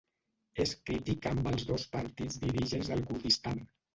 És crític amb els dos partits dirigents del Kurdistan.